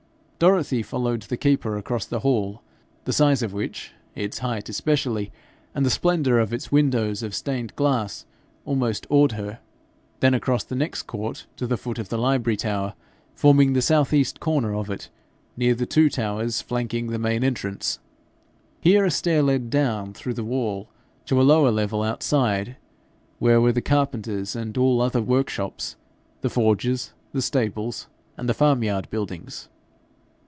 Dorothy followed the keeper across the hall, the size of which, its height especially, and the splendour of its windows of stained glass, almost awed her; then across the next court to the foot of the Library Tower forming the south east corner of it, near the two towers flanking the main entrance. Here a stair led down, through the wall, to a lower level outside, where were the carpenters' and all other workshops, the forges, the stables, and the farmyard buildings.